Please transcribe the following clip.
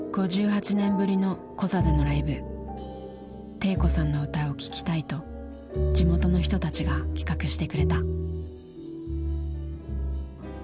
悌子さんの歌を聴きたいと地元の人たちが企画してくれた。